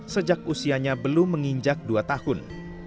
sejak usianya belum menginjak dua tahun